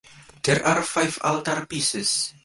There are five altarpieces.